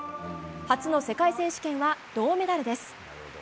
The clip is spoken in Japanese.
初の世界選手権は銅メダルです。